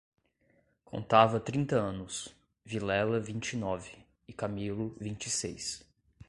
Contava trinta anos, Vilela vinte e nove e Camilo vinte e seis.